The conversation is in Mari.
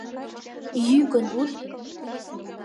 Йӱкын луд!